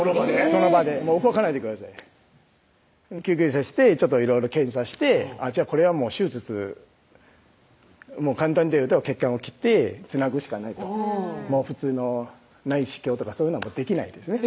その場で「もう動かないでください」救急車していろいろ検査してこれはもう手術する簡単で言うと血管を切ってつなぐしかないと普通の内視鏡とかそういうのはできないですね